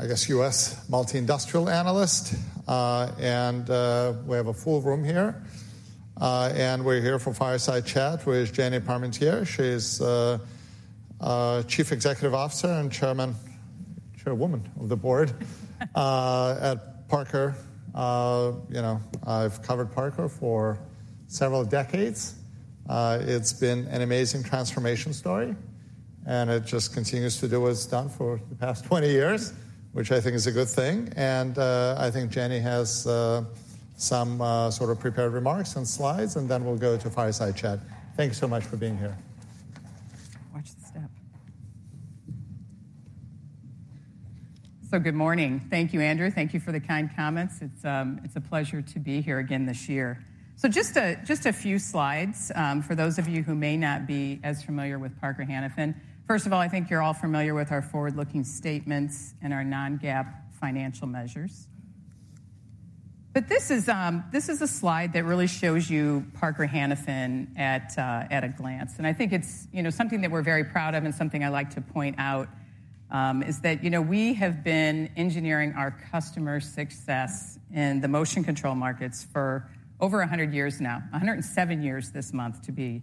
I guess, U.S. multi-industrial analyst. We have a full room here. We're here for Fireside Chat with Jenny Parmentier. She's Chief Executive Officer and Chairman, Chairwoman of the Board at Parker. You know, I've covered Parker for several decades. It's been an amazing transformation story, and it just continues to do what it's done for the past 20 years, which I think is a good thing. I think Jenny has some sort of prepared remarks and slides, and then we'll go to Fireside Chat. Thank you so much for being here. Watch the step. So good morning. Thank you, Andrew. Thank you for the kind comments. It's a pleasure to be here again this year. So just a few slides for those of you who may not be as familiar with Parker Hannifin. First of all, I think you're all familiar with our forward-looking statements and our non-GAAP financial measures. But this is a slide that really shows you Parker Hannifin at a glance. And I think it's, you know, something that we're very proud of and something I like to point out is that, you know, we have been engineering our customer success in the motion control markets for over 100 years now, 107 years this month, to be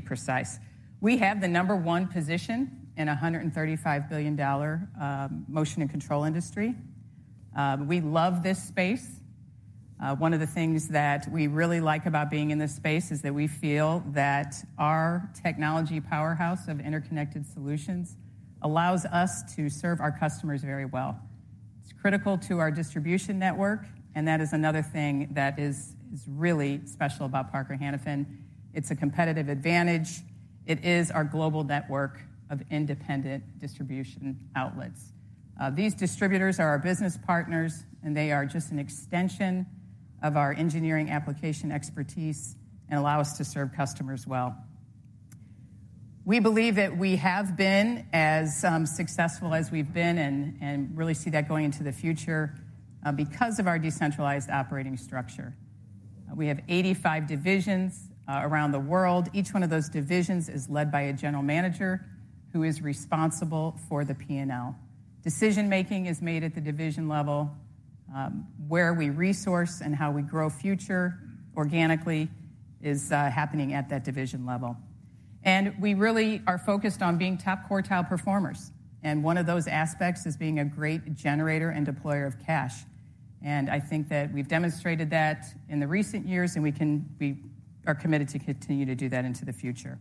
precise. We have the number one position in a $135 billion Motion and Control industry. We love this space. One of the things that we really like about being in this space is that we feel that our technology powerhouse of interconnected solutions allows us to serve our customers very well. It's critical to our distribution network, and that is another thing that is really special about Parker Hannifin. It's a competitive advantage. It is our global network of independent distribution outlets. These distributors are our business partners, and they are just an extension of our engineering application expertise and allow us to serve customers well. We believe that we have been as successful as we've been and really see that going into the future because of our decentralized operating structure. We have 85 divisions around the world. Each one of those divisions is led by a general manager who is responsible for the P&L. Decision-making is made at the division level, where we resource and how we grow future organically is happening at that division level. We really are focused on being top-quartile performers, and one of those aspects is being a great generator and deployer of cash. I think that we've demonstrated that in the recent years, and we are committed to continue to do that into the future.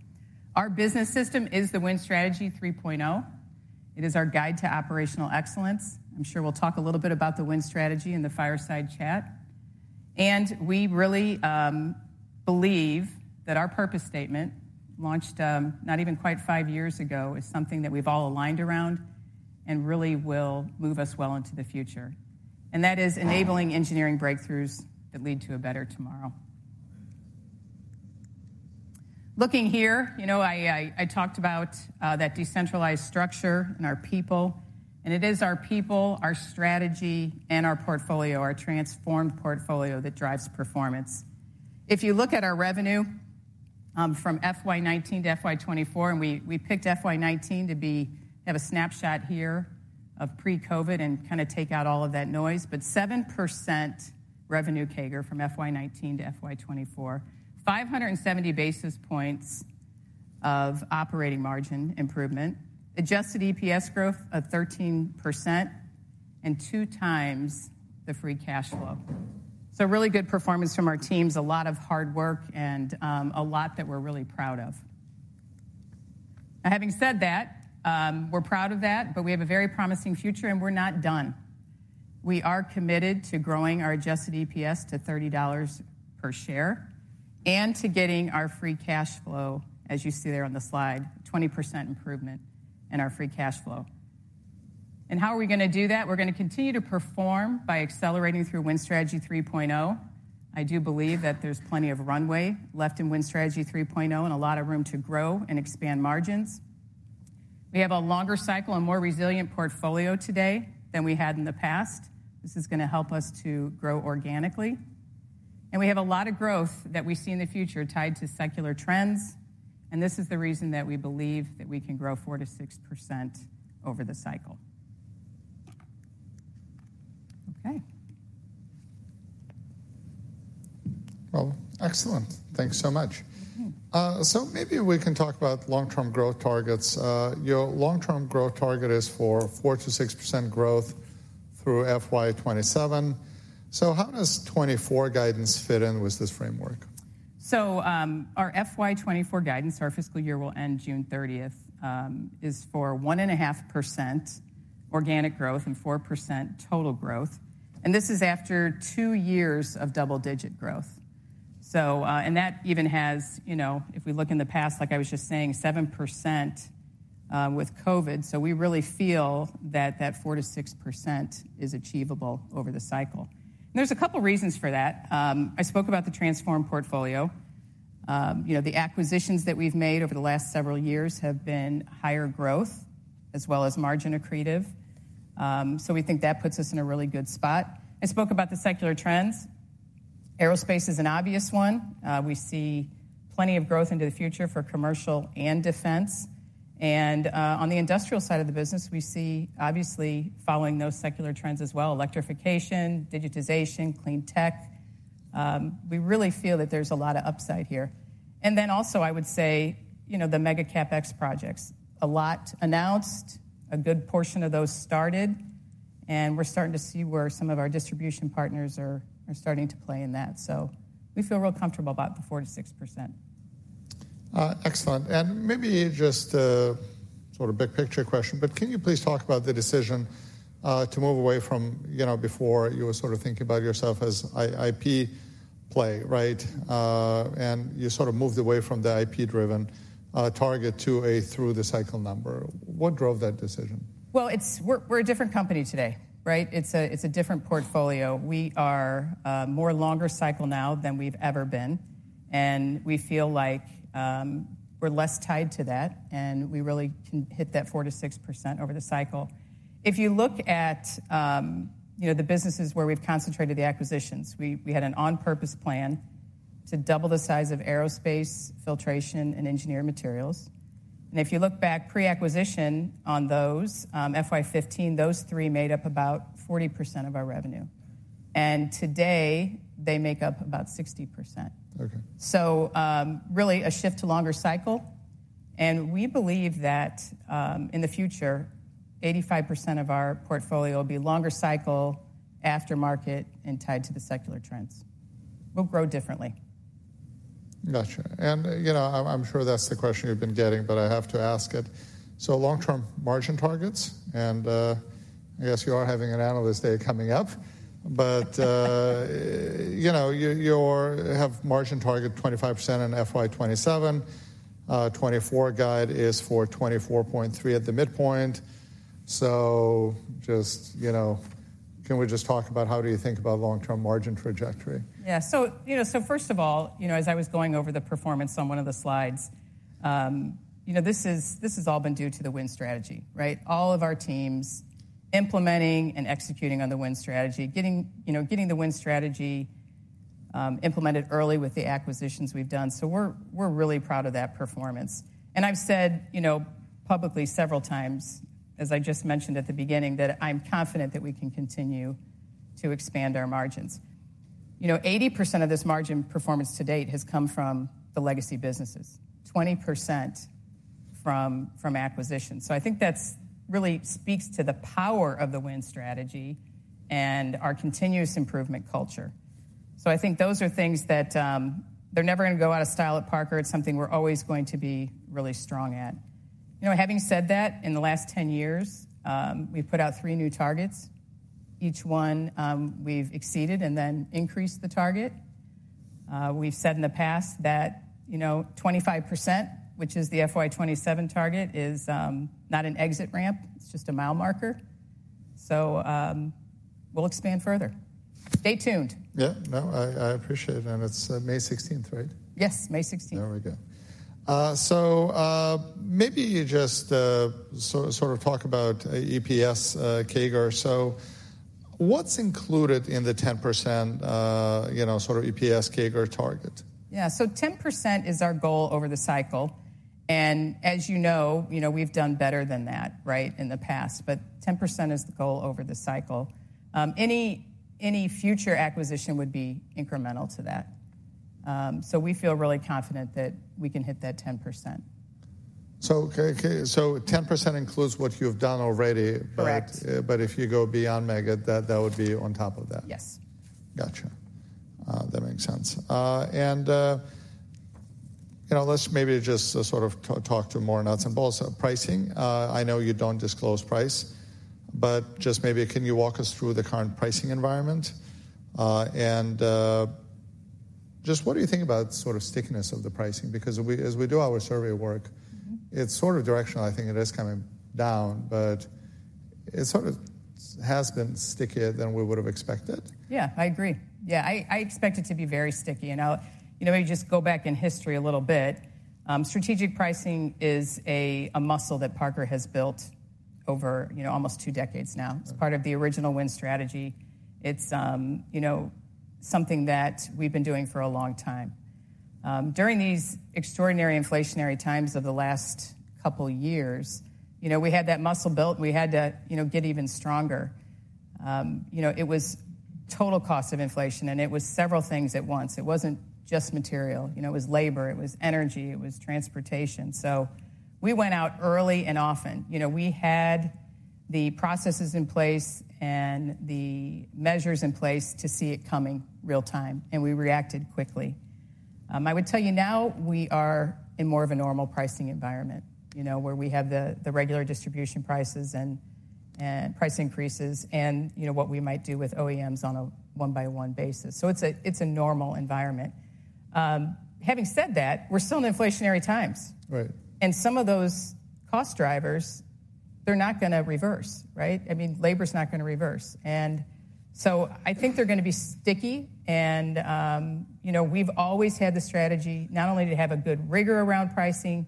Our business system is the Win Strategy 3.0. It is our guide to operational excellence. I'm sure we'll talk a little bit about the Win Strategy in the Fireside Chat. And we really believe that our purpose statement, launched not even quite five years ago, is something that we've all aligned around and really will move us well into the future. And that is enabling engineering breakthroughs that lead to a better tomorrow. Looking here, you know, I talked about that decentralized structure and our people, and it is our people, our strategy, and our portfolio, our transformed portfolio, that drives performance. If you look at our revenue from FY 2019 to FY 2024, and we picked FY 2019 to have a snapshot here of pre-COVID and kinda take out all of that noise. But 7% revenue CAGR from FY 2019 to FY 2024, 570 basis points of operating margin improvement, adjusted EPS growth of 13%, and 2x the free cash flow. So really good performance from our teams, a lot of hard work and, a lot that we're really proud of. Now, having said that, we're proud of that, but we have a very promising future, and we're not done. We are committed to growing our Adjusted EPS to $30 per share and to getting our free cash flow, as you see there on the slide, 20% improvement in our free cash flow. And how are we gonna do that? We're gonna continue to perform by accelerating through Win Strategy 3.0. I do believe that there's plenty of runway left in Win Strategy 3.0, and a lot of room to grow and expand margins. We have a longer cycle and more resilient portfolio today than we had in the past. This is gonna help us to grow organically. We have a lot of growth that we see in the future tied to secular trends, and this is the reason that we believe that we can grow 4%-6% over the cycle. Okay. Well, excellent. Thanks so much. Mm-hmm. So maybe we can talk about long-term growth targets. Your long-term growth target is for 4%-6% growth through FY 2027. So how does 2024 guidance fit in with this framework? So, our FY 2024 guidance, our fiscal year will end June 30, is for 1.5% organic growth and 4% total growth. And this is after two years of double-digit growth. So, and that even has, you know, if we look in the past, like I was just saying, 7%, with COVID, so we really feel that that 4%-6% is achievable over the cycle. And there's a couple of reasons for that. I spoke about the transformed portfolio. You know, the acquisitions that we've made over the last several years have been higher growth as well as margin accretive. So we think that puts us in a really good spot. I spoke about the secular trends. Aerospace is an obvious one. We see plenty of growth into the future for commercial and defense. On the industrial side of the business, we see, obviously, following those secular trends as well: electrification, digitization, clean tech. We really feel that there's a lot of upside here. And then also I would say, you know, the mega CapEx projects. A lot announced, a good portion of those started, and we're starting to see where some of our distribution partners are starting to play in that. So we feel real comfortable about the 4%-6%. Excellent. And maybe just a sort of big-picture question, but can you please talk about the decision to move away from. You know, before you were sort of thinking about yourself as IP play, right? And you sort of moved away from the IP-driven target to a through-the-cycle number. What drove that decision? Well, we're a different company today, right? It's a different portfolio. We are more longer cycle now than we've ever been, and we feel like we're less tied to that, and we really can hit that 4%-6% over the cycle. If you look at the businesses where we've concentrated the acquisitions, we had an on-purpose plan to double the size of aerospace, filtration, and engineered materials. And if you look back, pre-acquisition on those, FY 2015, those three made up about 40% of our revenue, and today they make up about 60%. Okay. So, really a shift to longer cycle, and we believe that, in the future, 85% of our portfolio will be longer cycle aftermarket and tied to the secular trends. We'll grow differently. Gotcha. You know, I'm sure that's the question you've been getting, but I have to ask it. So long-term margin targets, and yes, you are having an analyst day coming up. But you know, you have margin target 25% in FY 2027. 2024 guide is for 24.3% at the midpoint. So just, you know, can we just talk about how do you think about long-term margin trajectory? Yeah. So, you know, so first of all, you know, as I was going over the performance on one of the slides, you know, this is, this has all been due to the win strategy, right? All of our teams implementing and executing on the win strategy, getting, you know, getting the win strategy, implemented early with the acquisitions we've done. So we're, we're really proud of that performance. And I've said, you know, publicly several times, as I just mentioned at the beginning, that I'm confident that we can continue to expand our margins. You know, 80% of this margin performance to date has come from the legacy businesses, 20% from, from acquisitions. So I think that's really speaks to the power of the win strategy and our continuous improvement culture. So I think those are things that, they're never gonna go out of style at Parker. It's something we're always going to be really strong at. You know, having said that, in the last 10 years, we've put out 3 new targets. Each one, we've exceeded and then increased the target. We've said in the past that, you know, 25%, which is the FY 2027 target, is, not an exit ramp, it's just a mile marker. So, we'll expand further. Stay tuned. Yeah. No, I, I appreciate it. And it's May sixteenth, right? Yes, May sixteenth. There we go. So, maybe you just sort of, sort of talk about EPS, CAGR. So what's included in the 10%, you know, sort of EPS CAGR target? Yeah. So 10% is our goal over the cycle, and as you know, we've done better than that, right, in the past. But 10% is the goal over the cycle. Any future acquisition would be incremental to that. So we feel really confident that we can hit that 10%. Okay, so 10% includes what you've done already- Correct. But if you go beyond mega, that would be on top of that? Yes. Gotcha. That makes sense. You know, let's maybe just sort of talk to more nuts and bolts. So pricing, I know you don't disclose price, but just maybe can you walk us through the current pricing environment? Just what do you think about sort of stickiness of the pricing? Because we, as we do our survey work- Mm-hmm. It's sort of directional. I think it is coming down, but it sort of has been stickier than we would have expected. Yeah, I agree. Yeah, I expect it to be very sticky. And I'll, you know, maybe just go back in history a little bit. Strategic pricing is a muscle that Parker has built over, you know, almost two decades now. Right. It's part of the original Win Strategy. It's, you know, something that we've been doing for a long time. During these extraordinary inflationary times of the last couple years, you know, we had that muscle built. We had to, you know, get even stronger. You know, it was total cost of inflation, and it was several things at once. It wasn't just material, you know, it was labor, it was energy, it was transportation. So we went out early and often. You know, we had the processes in place and the measures in place to see it coming real time, and we reacted quickly. I would tell you, now we are in more of a normal pricing environment, you know, where we have the, the regular distribution prices and, and price increases and, you know, what we might do with OEMs on a one-by-one basis. So it's a normal environment. Having said that, we're still in inflationary times. Right. And some of those cost drivers, they're not gonna reverse, right? I mean, labor's not gonna reverse. And so I think they're gonna be sticky, and, you know, we've always had the strategy not only to have a good rigor around pricing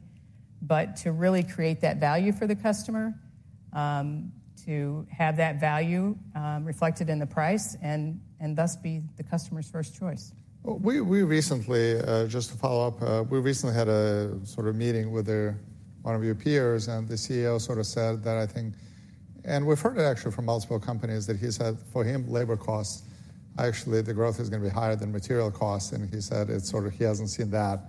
but to really create that value for the customer, to have that value, reflected in the price, and, and thus be the customer's first choice. Well, we recently just to follow up we recently had a sort of meeting with one of your peers, and the CEO sort of said that I think— And we've heard it actually from multiple companies, that he said, for him, labor costs, actually the growth is gonna be higher than material costs. And he said it's sort of, he hasn't seen that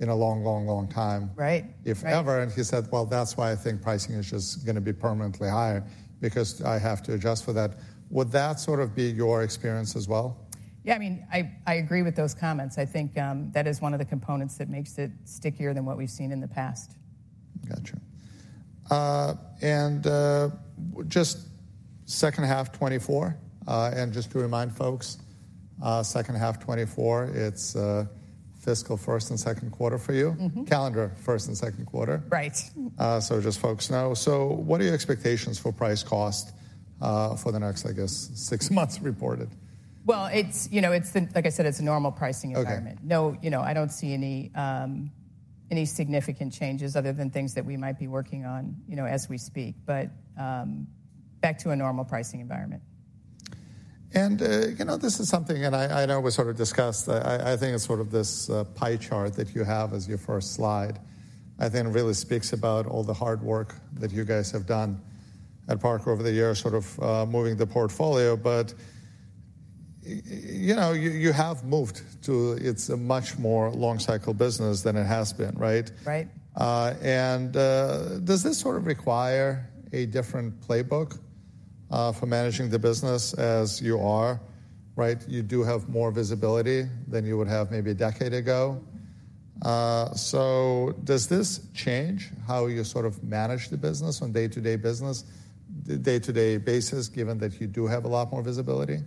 in a long, long, long time- Right. if ever. And he said: "Well, that's why I think pricing is just gonna be permanently higher, because I have to adjust for that." Would that sort of be your experience as well? Yeah, I mean, I, I agree with those comments. I think that is one of the components that makes it stickier than what we've seen in the past. Gotcha. And just second half 2024, and just to remind folks, second half 2024, it's fiscal first and second quarter for you. Mm-hmm. Calendar first and second quarter. Right. So just so folks know. So what are your expectations for price cost, for the next, I guess, six months reported? Well, it's, you know, it's the like I said, it's a normal pricing environment. Okay. No, you know, I don't see any significant changes other than things that we might be working on, you know, as we speak, but back to a normal pricing environment. And, you know, this is something, and I know we sort of discussed, I think it's sort of this pie chart that you have as your first slide. I think really speaks about all the hard work that you guys have done at Parker over the years, sort of, moving the portfolio. But, you know, you have moved to it's a much more long-cycle business than it has been. Right? Right. Does this sort of require a different playbook for managing the business as you are, right? You do have more visibility than you would have maybe a decade ago. Does this change how you sort of manage the business on day-to-day business, day-to-day basis, given that you do have a lot more visibility?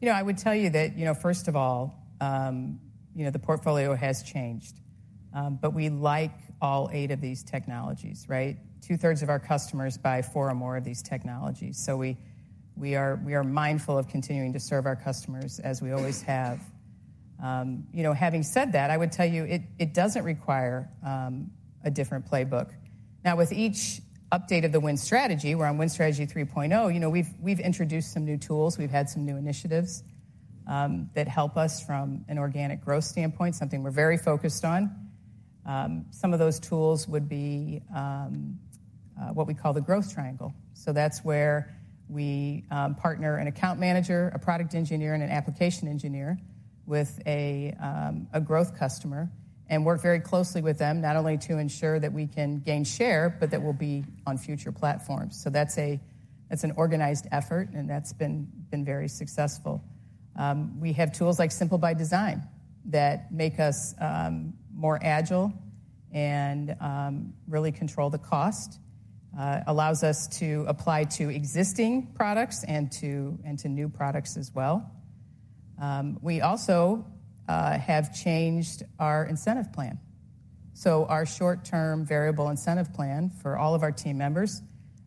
You know, I would tell you that, you know, first of all, the portfolio has changed, but we like all eight of these technologies, right? Two-thirds of our customers buy four or more of these technologies. So we are mindful of continuing to serve our customers as we always have. You know, having said that, I would tell you, it doesn't require a different playbook. Now, with each update of the Win Strategy, we're on Win Strategy 3.0, you know, we've introduced some new tools. We've had some new initiatives that help us from an organic growth standpoint, something we're very focused on. Some of those tools would be what we call the Growth Triangle. So that's where we partner an account manager, a product engineer, and an application engineer with a growth customer, and work very closely with them, not only to ensure that we can gain share, but that we'll be on future platforms. So that's an organized effort, and that's been very successful. We have tools like Simple by Design that make us more agile and really control the cost, allows us to apply to existing products and to new products as well. We also have changed our incentive plan. So our short-term variable incentive plan for all of our team members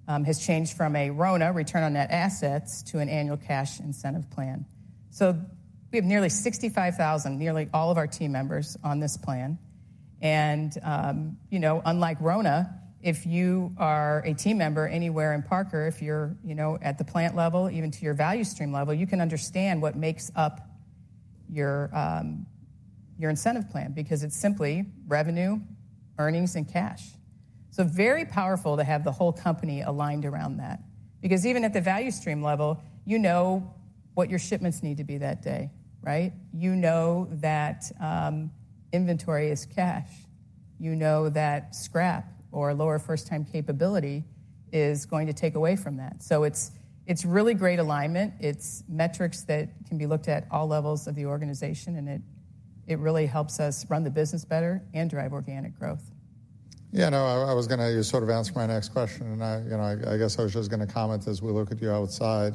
has changed from a RONA, return on net assets, to an annual cash incentive plan. So we have nearly 65,000, nearly all of our team members on this plan. You know, unlike RONA, if you are a team member anywhere in Parker, if you're, you know, at the plant level, even to your value stream level, you can understand what makes up your, your incentive plan, because it's simply revenue, earnings, and cash. So very powerful to have the whole company aligned around that, because even at the value stream level, you know what your shipments need to be that day, right? You know that, inventory is cash. You know that scrap or lower first-time capability is going to take away from that. So it's, it's really great alignment. It's metrics that can be looked at all levels of the organization, and it, it really helps us run the business better and drive organic growth. Yeah, no, I was gonna sort of ask my next question, and, you know, I guess I was just gonna comment as we look at you outside,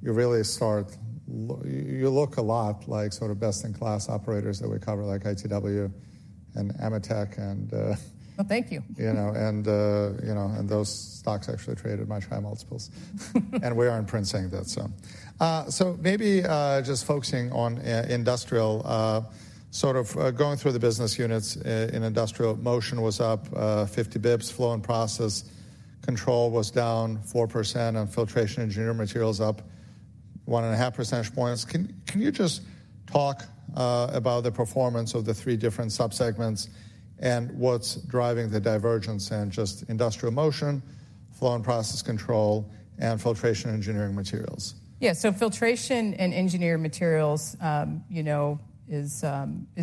you really start. You look a lot like sort of best-in-class operators that we cover, like ITW and AMETEK. Well, thank you. You know, and you know, and those stocks actually traded much higher multiples. We are in print saying that, so. So maybe just focusing on industrial, sort of going through the business units in industrial, Motion was up 50 basis points, Flow and Process Control was down 4%, and Filtration Engineered Materials up 1.5 percentage points. Can you just talk about the performance of the three different subsegments and what's driving the divergence in just industrial Motion, Flow and Process Control, and Filtration Engineered Materials? Yeah, so Filtration and Engineered Materials, you know, is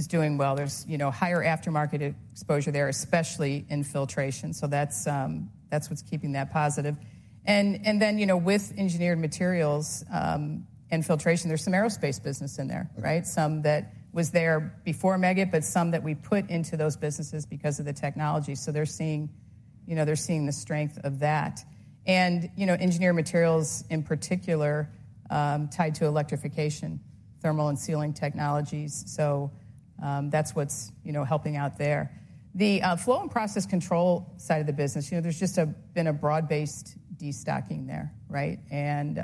doing well. There's, you know, higher aftermarket exposure there, especially in filtration, so that's, that's what's keeping that positive. And then, you know, with engineered materials and filtration, there's some aerospace business in there, right? Some that was there before Meggitt, but some that we put into those businesses because of the technology. So they're seeing, you know, they're seeing the strength of that. And, you know, engineered materials, in particular, tied to electrification, thermal and sealing technologies. So, that's what's, you know, helping out there. The Flow and Process Control side of the business, you know, there's just been a broad-based destocking there, right? And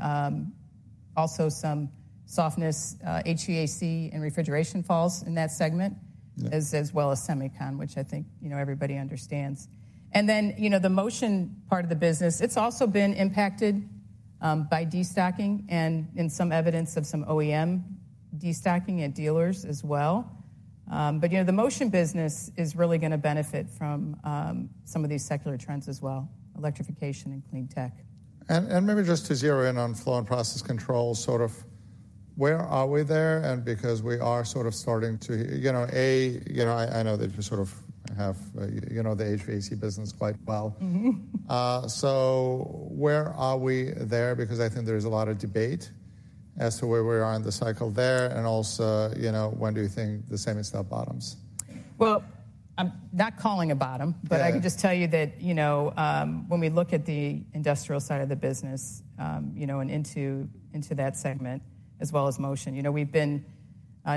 also some softness, HVAC and refrigeration falls in that segment. Yeah. as well as semicon, which I think, you know, everybody understands. And then, you know, the motion part of the business, it's also been impacted by destocking and some evidence of some OEM destocking at dealers as well. But, you know, the motion business is really gonna benefit from some of these secular trends as well, electrification and clean tech. And maybe just to zero in on Flow and Process Control, sort of where are we there? And because we are sort of starting to, you know, I know that you sort of have, you know, the HVAC business quite well. Mm-hmm. So where are we there? Because I think there's a lot of debate as to where we are in the cycle there, and also, you know, when do you think the same stuff bottoms? Well, I'm not calling a bottom- Yeah. but I can just tell you that, you know, when we look at the industrial side of the business, you know, and into that segment, as well as motion, you know, we've been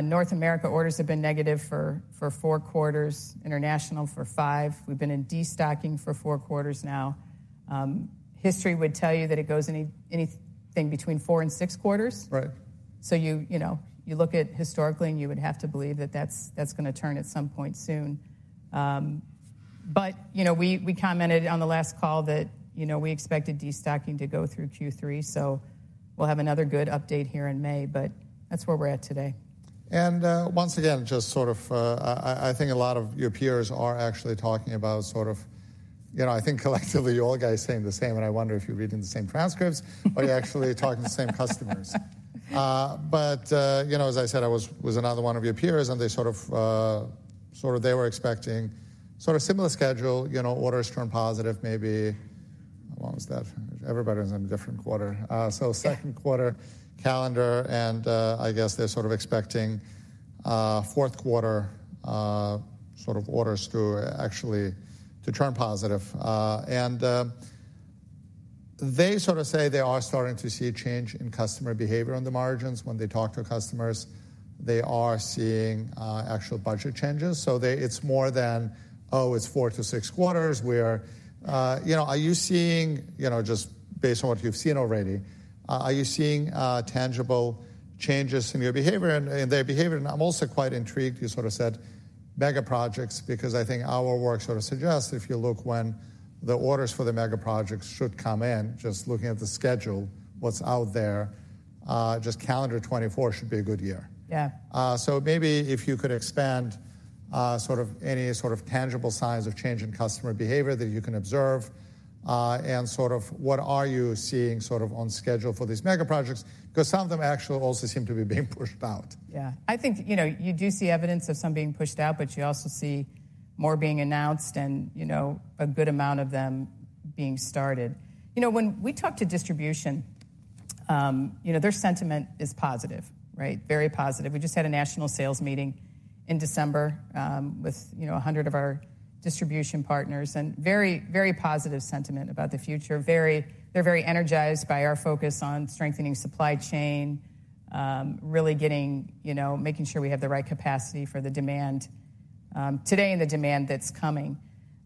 North America orders have been negative for four quarters, international for five. We've been in destocking for four quarters now. History would tell you that it goes anything between four and six quarters. Right. So, you know, you look at historically, and you would have to believe that that's gonna turn at some point soon. But, you know, we commented on the last call that we expected destocking to go through Q3, so we'll have another good update here in May, but that's where we're at today. Once again, just sort of, I think a lot of your peers are actually talking about sort of you know, I think collectively, you all guys are saying the same, and I wonder if you're reading the same transcripts or you're actually talking to the same customers. But, you know, as I said, I was another one of your peers, and they sort of, sort of they were expecting sort of similar schedule, you know, orders turn positive, maybe. How long is that? Everybody's in a different quarter. So second quarter calendar, and, I guess they're sort of expecting, fourth quarter, sort of orders to actually to turn positive. And, they sort of say they are starting to see a change in customer behavior on the margins. When they talk to customers, they are seeing actual budget changes. So it's more than: "Oh, it's 4-6 quarters, where..." You know, are you seeing, you know, just based on what you've seen already, are you seeing tangible changes in your behavior and, and their behavior? And I'm also quite intrigued, you sort of said megaprojects, because I think our work sort of suggests if you look when the orders for the megaprojects should come in, just looking at the schedule, what's out there, just calendar 2024 should be a good year. Yeah. So maybe if you could expand, sort of any sort of tangible signs of change in customer behavior that you can observe, and sort of what are you seeing sort of on schedule for these megaprojects? Because some of them actually also seem to be being pushed out. Yeah. I think, you know, you do see evidence of some being pushed out, but you also see more being announced and, you know, a good amount of them being started. You know, when we talk to distribution, their sentiment is positive, right? Very positive. We just had a national sales meeting in December with, you know, 100 of our distribution partners, and very, very positive sentiment about the future. They're very energized by our focus on strengthening supply chain, really getting, you know, making sure we have the right capacity for the demand today and the demand that's coming.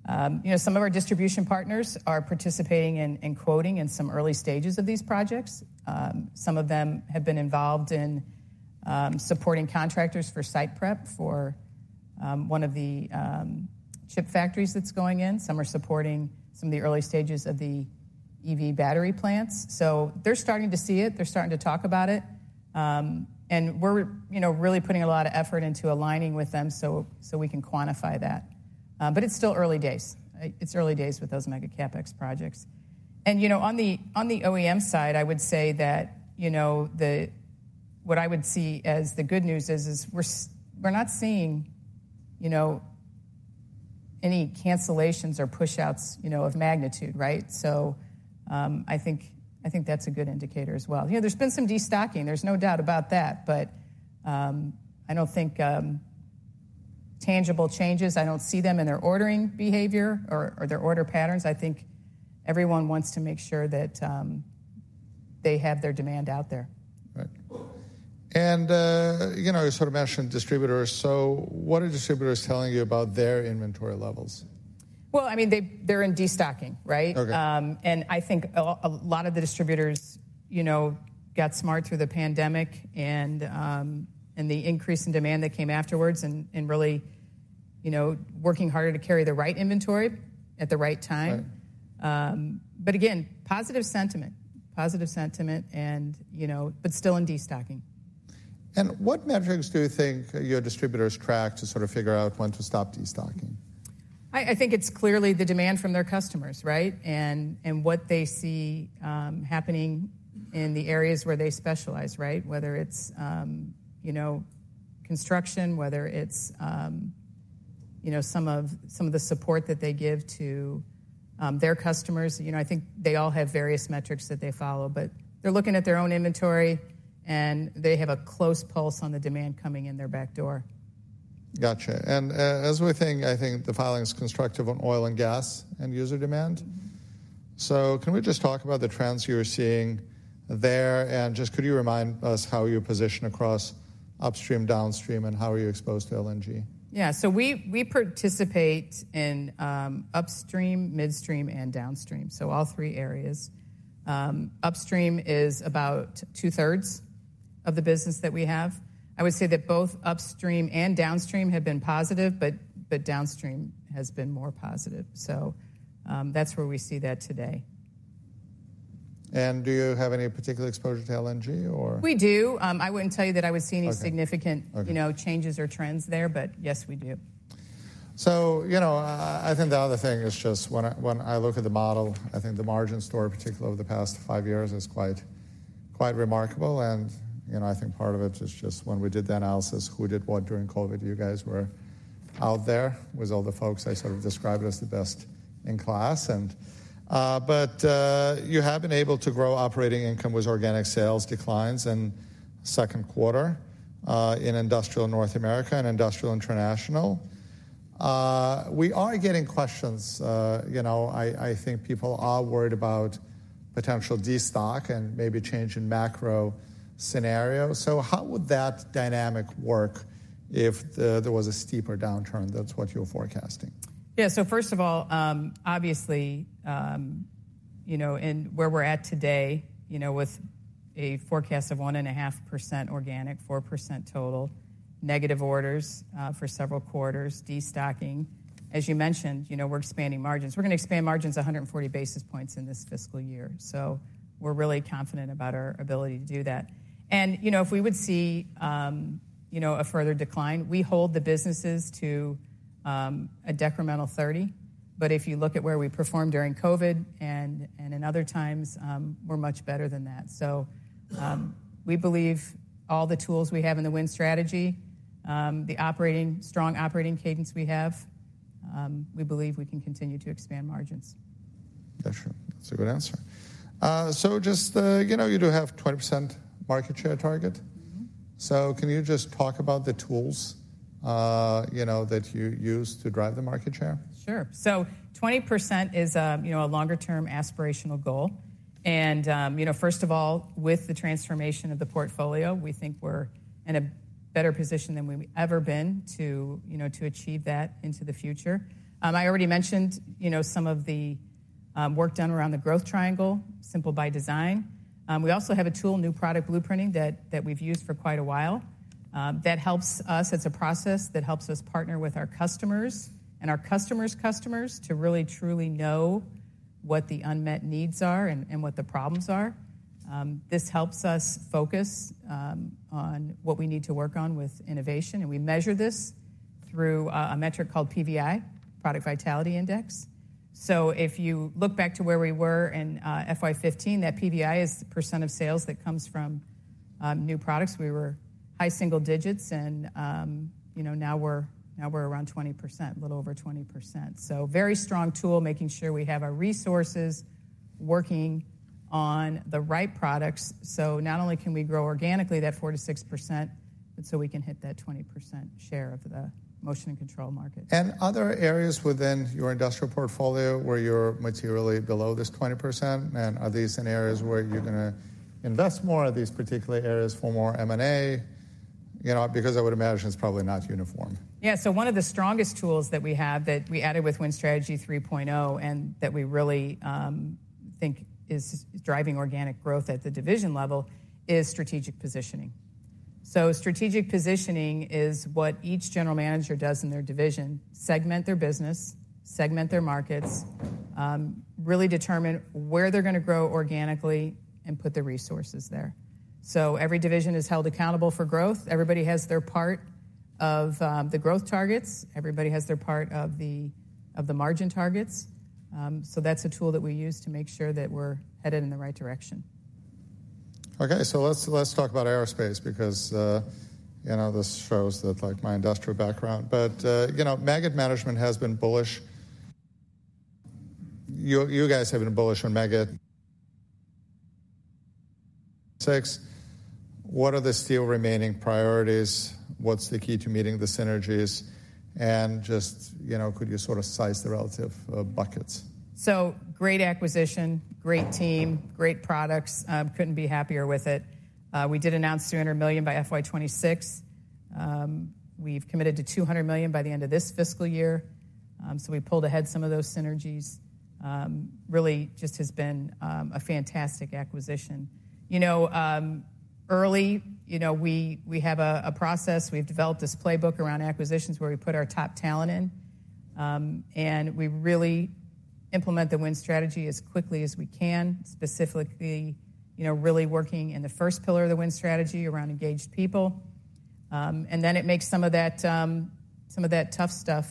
You know, some of our distribution partners are participating in quoting in some early stages of these projects. Some of them have been involved in supporting contractors for site prep for one of the chip factories that's going in. Some are supporting some of the early stages of the EV battery plants. So they're starting to see it, they're starting to talk about it, and we're, you know, really putting a lot of effort into aligning with them so we can quantify that. But it's still early days. It's early days with those mega CapEx projects. And, you know, on the OEM side, I would say that, you know, what I would see as the good news is we're not seeing, you know, any cancellations or pushouts, you know, of magnitude, right? So I think that's a good indicator as well. You know, there's been some destocking, there's no doubt about that, but I don't think tangible changes. I don't see them in their ordering behavior or their order patterns. I think everyone wants to make sure that they have their demand out there. Right. And, you know, you sort of mentioned distributors. So what are distributors telling you about their inventory levels? Well, I mean, they, they're in destocking, right? Okay. And I think a lot of the distributors, you know, got smart through the pandemic and the increase in demand that came afterwards and really, you know, working harder to carry the right inventory at the right time. Right. But again, positive sentiment. Positive sentiment and, you know, but still in destocking. What metrics do you think your distributors track to sort of figure out when to stop destocking? I think it's clearly the demand from their customers, right? And what they see happening in the areas where they specialize, right? Whether it's you know, construction, whether it's you know, some of the support that they give to their customers. You know, I think they all have various metrics that they follow, but they're looking at their own inventory, and they have a close pulse on the demand coming in their back door. Gotcha. And, as we think, I think the filing is constructive on oil and gas and user demand. Mm-hmm. So can we just talk about the trends you're seeing there, and just could you remind us how you're positioned across upstream, downstream, and how are you exposed to LNG? Yeah, so we participate in upstream, midstream, and downstream, so all three areas. Upstream is about two-thirds of the business that we have. I would say that both upstream and downstream have been positive, but downstream has been more positive. So, that's where we see that today. Do you have any particular exposure to LNG or? We do. I wouldn't tell you that I would see- Okay. Any significant Okay. You know, changes or trends there, but yes, we do. So, you know, I think the other thing is just when I look at the model, I think the margin story, particularly over the past five years, is quite, quite remarkable, and, you know, I think part of it is just when we did the analysis, who did what during COVID? You guys were out there with all the folks. I sort of described it as the best in class, and. But you have been able to grow operating income with organic sales declines in second quarter in Industrial North America and Industrial International. We are getting questions, you know, I think people are worried about potential destocking and maybe change in macro scenario. So how would that dynamic work if there was a steeper downturn than what you're forecasting? Yeah. So first of all, obviously, you know, in where we're at today, you know, with a forecast of 1.5% organic, 4% total, negative orders, for several quarters, destocking, as you mentioned, you know, we're expanding margins. We're gonna expand margins 140 basis points in this fiscal year, so we're really confident about our ability to do that. And, you know, if we would see, you know, a further decline, we hold the businesses to, a decremental 30. But if you look at where we performed during COVID and in other times, we're much better than that. So, we believe all the tools we have in the Win Strategy, the strong operating cadence we have, we believe we can continue to expand margins. That's true. That's a good answer. So just, you know, you do have 20% market share target. Mm-hmm. Can you just talk about the tools, you know, that you use to drive the market share? Sure. So 20% is, you know, a longer term aspirational goal, and, you know, first of all, with the transformation of the portfolio, we think we're in a better position than we've ever been to, you know, to achieve that into the future. I already mentioned, you know, some of the work done around the Growth Triangle, Simple by Design™. We also have a tool, New Product Blueprinting, that we've used for quite a while, that helps us. It's a process that helps us partner with our customers and our customers' customers to really truly know what the unmet needs are and what the problems are. This helps us focus on what we need to work on with innovation, and we measure this through a metric called PVI, Product Vitality Index. So if you look back to where we were in FY 2015, that PVI is the percent of sales that comes from new products. We were high single digits, and you know, now we're, now we're around 20%, a little over 20%. So very strong tool, making sure we have our resources working on the right products. So not only can we grow organically, that 4%-6%, but so we can hit that 20% share of the Motion and Control Market. Other areas within your industrial portfolio, where you're materially below this 20%, and are these in areas where you're gonna invest more? Are these particular areas for more M&A? You know, because I would imagine it's probably not uniform. Yeah, so one of the strongest tools that we have, that we added with Win Strategy 3.0, and that we really think is driving organic growth at the division level, is Strategic Positioning. So Strategic Positioning is what each general manager does in their division, segment their business, segment their markets, really determine where they're gonna grow organically, and put the resources there. So every division is held accountable for growth. Everybody has their part of the growth targets. Everybody has their part of the margin targets. So that's a tool that we use to make sure that we're headed in the right direction. Okay, so let's talk about aerospace, because, you know, this shows that, like, my industrial background. But, you know, Meggitt management has been bullish. You guys have been bullish on Meggitt since. What are the still remaining priorities? What's the key to meeting the synergies? And just, you know, could you sort of size the relative buckets? Great acquisition, great team, great products. Couldn't be happier with it. We did announce $200 million by FY 2026. We've committed to $200 million by the end of this fiscal year. So we pulled ahead some of those synergies. Really just has been a fantastic acquisition. You know, early, you know, we have a process. We've developed this playbook around acquisitions, where we put our top talent in, and we really implement the Win Strategy as quickly as we can, specifically, you know, really working in the first pillar of the Win Strategy around engaged people. And then it makes some of that, some of that tough stuff,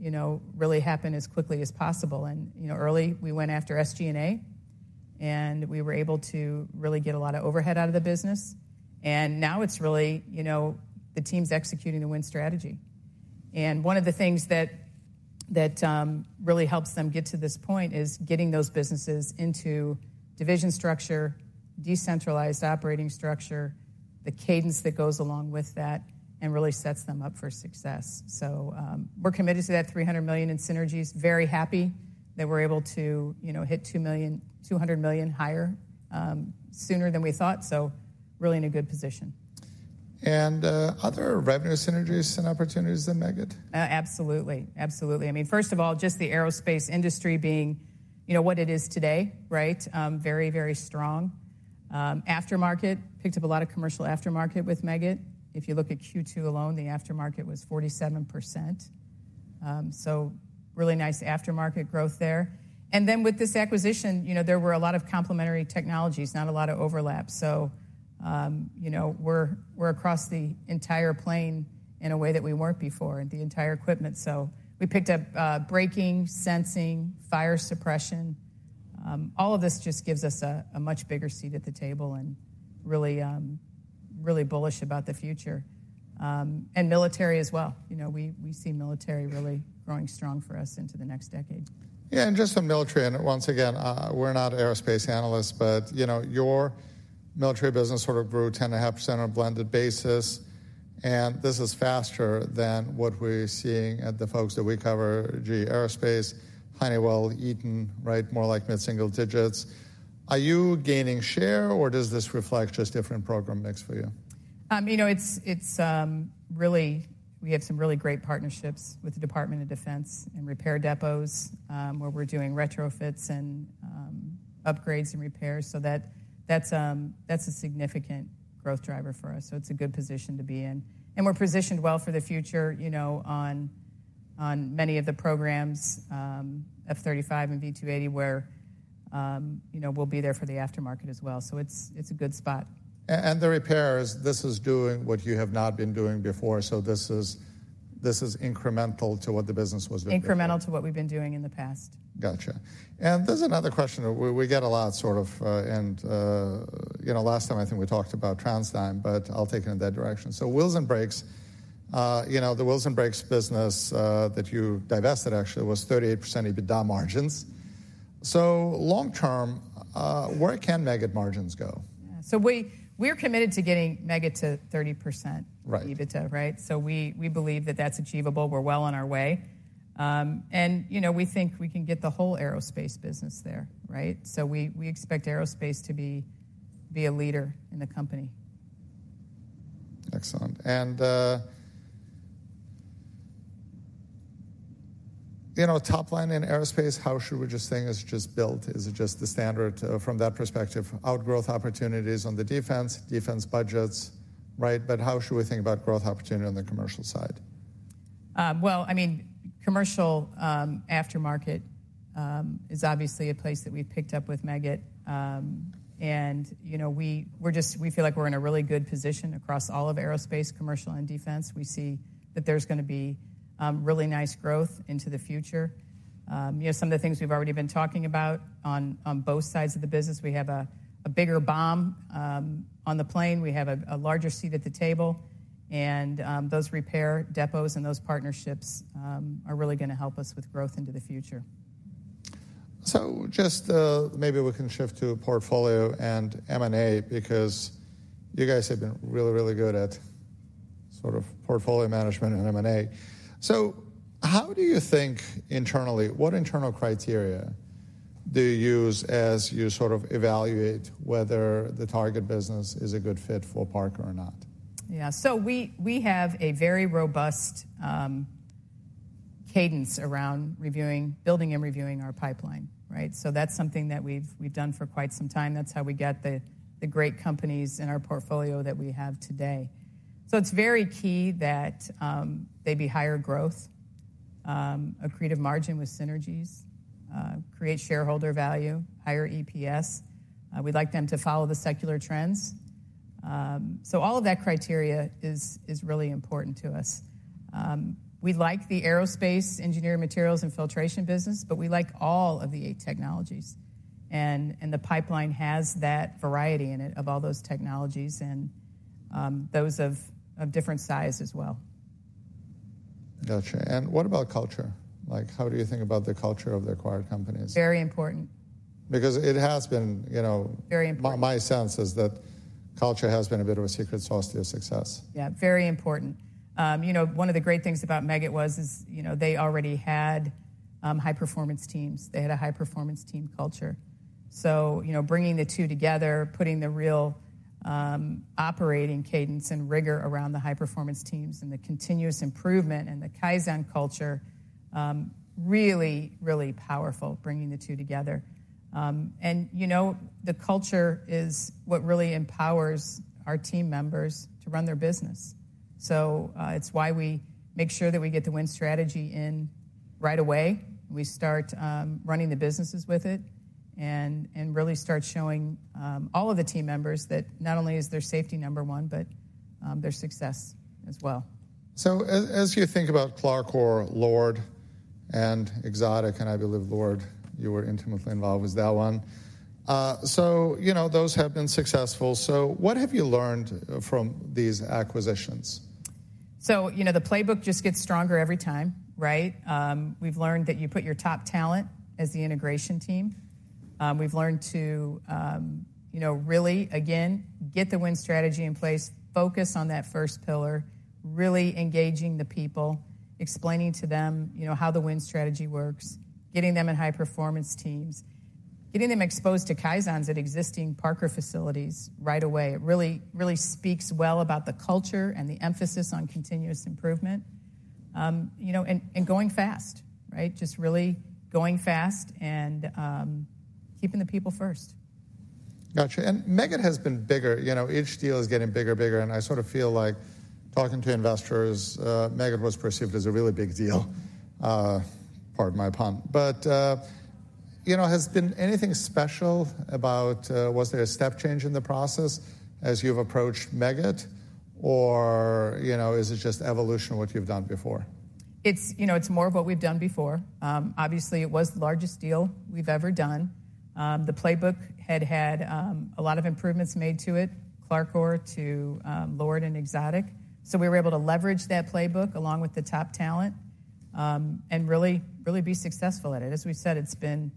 you know, really happen as quickly as possible. You know, early, we went after SG&A, and we were able to really get a lot of overhead out of the business. And now it's really, you know, the team's executing the Win Strategy. And one of the things that really helps them get to this point is getting those businesses into division structure, decentralized operating structure, the cadence that goes along with that and really sets them up for success. So, we're committed to that $300 million in synergies. Very happy that we're able to, you know, hit $200 million higher sooner than we thought, so really in a good position. Are there revenue synergies and opportunities in Meggitt? Absolutely. Absolutely. I mean, first of all, just the aerospace industry being, you know, what it is today, right? Very, very strong. Aftermarket. Picked up a lot of commercial aftermarket with Meggitt. If you look at Q2 alone, the aftermarket was 47%. So really nice aftermarket growth there. And then with this acquisition, you know, there were a lot of complementary technologies, not a lot of overlap. So, you know, we're, we're across the entire plane in a way that we weren't before, and the entire equipment. So we picked up braking, sensing, fire suppression. All of this just gives us a much bigger seat at the table and really bullish about the future. And military as well. You know, we, we see military really growing strong for us into the next decade. Yeah, and just on military, and once again, we're not aerospace analysts, but, you know, your military business sort of grew 10.5% on a blended basis, and this is faster than what we're seeing at the folks that we cover, GE Aerospace, Honeywell, Eaton, right? More like mid-single digits. Are you gaining share, or does this reflect just different program mix for you? You know, it's really... We have some really great partnerships with the Department of Defense and repair depots, where we're doing retrofits and upgrades and repairs, so that's a significant growth driver for us, so it's a good position to be in. And we're positioned well for the future, you know, on many of the programs, F-35 and V-280, where you know, we'll be there for the aftermarket as well. So it's a good spot. And the repairs, this is doing what you have not been doing before, so this is, this is incremental to what the business was doing before. Incremental to what we've been doing in the past. Gotcha. And this is another question we get a lot, sort of, and, you know, last time I think we talked about TransDigm, but I'll take it in that direction. So wheels and brakes, you know, the wheels and brakes business, that you divested actually was 38% EBITDA margins. So long term, where can Meggitt margins go? So we're committed to getting Meggitt to 30%- Right. EBITDA, right? So we, we believe that that's achievable. We're well on our way. And, you know, we think we can get the whole aerospace business there, right? So we, we expect aerospace to be, be a leader in the company. Excellent. You know, top line in aerospace, how should we just think it's just built? Is it just the standard, from that perspective, outgrowth opportunities on the defense, defense budgets, right? But how should we think about growth opportunity on the commercial side? Well, I mean, commercial aftermarket is obviously a place that we've picked up with Meggitt. You know, we feel like we're in a really good position across all of aerospace, commercial, and defense. We see that there's gonna be really nice growth into the future. You know, some of the things we've already been talking about on both sides of the business, we have a bigger BOM on the plane. We have a larger seat at the table, and those repair depots and those partnerships are really gonna help us with growth into the future. So just, maybe we can shift to portfolio and M&A, because you guys have been really, really good at sort of portfolio management and M&A. So how do you think internally, what internal criteria do you use as you sort of evaluate whether the target business is a good fit for Parker or not? Yeah. So we have a very robust cadence around reviewing, building and reviewing our pipeline, right? So that's something that we've done for quite some time. That's how we get the great companies in our portfolio that we have today. So it's very key that they be higher growth, accretive margin with synergies, create shareholder value, higher EPS. We'd like them to follow the secular trends. So all of that criteria is really important to us. We like the aerospace engineered materials and filtration business, but we like all of the eight technologies, and the pipeline has that variety in it, of all those technologies and those of different size as well. Gotcha. What about culture? Like, how do you think about the culture of the acquired companies? Very important. Because it has been, you know- Very important. My sense is that culture has been a bit of a secret sauce to your success. Yeah, very important. You know, one of the great things about Meggitt was, is, you know, they already had high-performance teams. They had a high-performance team culture. So, you know, bringing the two together, putting the real operating cadence and rigor around the high-performance teams and the continuous improvement and the Kaizen culture, really, really powerful, bringing the two together. And, you know, the culture is what really empowers our team members to run their business. So, it's why we make sure that we get the win strategy in right away. We start running the businesses with it and really start showing all of the team members that not only is there safety number one, but there's success as well. So as you think about CLARCOR, LORD, and Exotic, and I believe LORD, you were intimately involved with that one. So, you know, those have been successful. So what have you learned from these acquisitions? So, you know, the playbook just gets stronger every time, right? We've learned that you put your top talent as the integration team. We've learned to, you know, really, again, get the win strategy in place, focus on that first pillar, really engaging the people, explaining to them, you know, how the win strategy works, getting them in high-performance teams, getting them exposed to Kaizens at existing Parker facilities right away. It really, really speaks well about the culture and the emphasis on continuous improvement. You know, and going fast, right? Just really going fast and keeping the people first. Got you. And Meggitt has been bigger. You know, each deal is getting bigger and bigger, and I sort of feel like talking to investors, Meggitt was perceived as a really big deal. Pardon my pun. But, you know, has been anything special about, was there a step change in the process as you've approached Meggitt? Or, you know, is it just evolution of what you've done before? It's, you know, it's more of what we've done before. Obviously, it was the largest deal we've ever done. The playbook had a lot of improvements made to it, CLARCOR to LORD and Exotic. So we were able to leverage that playbook along with the top talent, and really, really be successful at it. As we've said, it's been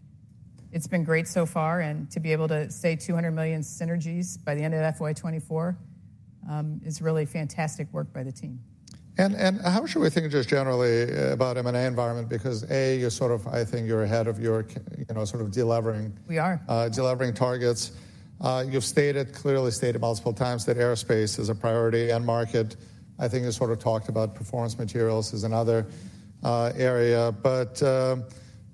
great so far, and to be able to save $200 million synergies by the end of FY 2024 is really fantastic work by the team. How should we think just generally about the M&A environment? Because, A, you're sort of I think you're ahead of your you know, sort of deleveraging- We are. Deleveraging targets. You've stated, clearly stated multiple times, that aerospace is a priority end market. I think you sort of talked about performance materials as another area. But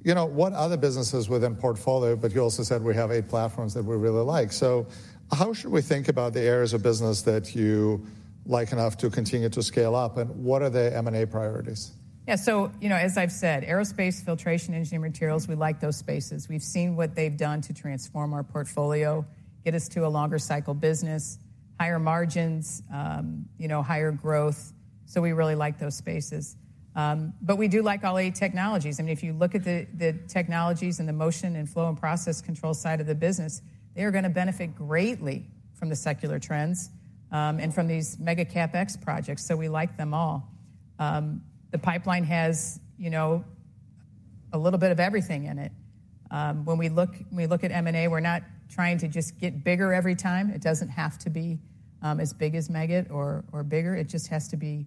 you know, what other businesses within portfolio, but you also said we have eight platforms that we really like. So how should we think about the areas of business that you like enough to continue to scale up, and what are the M&A priorities? Yeah. So, you know, as I've said, aerospace, filtration, engineered materials, we like those spaces. We've seen what they've done to transform our portfolio, get us to a longer cycle business, higher margins, you know, higher growth. So we really like those spaces. But we do like all eight technologies. I mean, if you look at the technologies and the motion and Flow and Process Control side of the business, they are gonna benefit greatly from the secular trends, and from these m ega CapEx projects. So we like them all. The pipeline has, you know, a little bit of everything in it. When we look at M&A, we're not trying to just get bigger every time. It doesn't have to be as big as Meggitt or bigger. It just has to be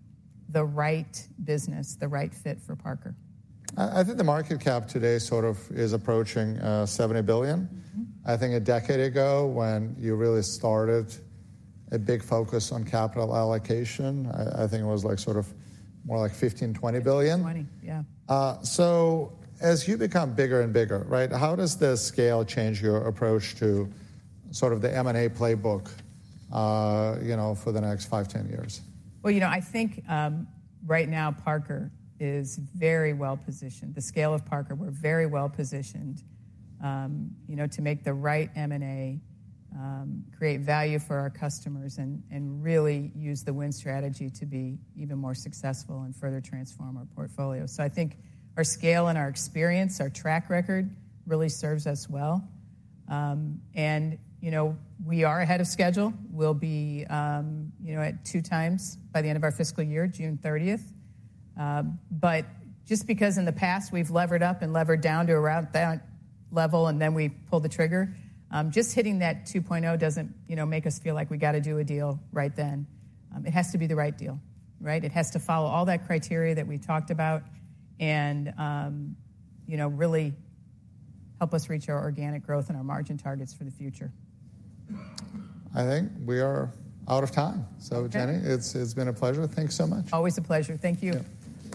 the right business, the right fit for Parker. I think the market cap today sort of is approaching $70 billion. Mm-hmm. I think a decade ago, when you really started a big focus on capital allocation, I think it was like, sort of more like $15 billion-$20 billion. $20 billion yeah. As you become bigger and bigger, right, how does the scale change your approach to sort of the M&A playbook, you know, for the next 5, 10 years? Well, you know, I think right now, Parker is very well positioned. The scale of Parker, we're very well positioned, you know, to make the right M&A, create value for our customers and, and really use the win strategy to be even more successful and further transform our portfolio. So I think our scale and our experience, our track record, really serves us well. And, you know, we are ahead of schedule. We'll be, you know, at 2x by the end of our fiscal year, June 30. But just because in the past we've levered up and levered down to around that level, and then we've pulled the trigger, just hitting that 2.0 doesn't, you know, make us feel like we gotta do a deal right then. It has to be the right deal, right? It has to follow all that criteria that we talked about and, you know, really help us reach our organic growth and our margin targets for the future. I think we are out of time. Okay. So Jenny, it's been a pleasure. Thanks so much. Always a pleasure. Thank you.